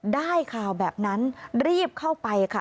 ได้ข่าวแบบนั้นรีบเข้าไปค่ะ